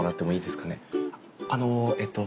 あのえっと